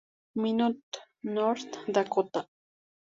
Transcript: Minot, North Dakota.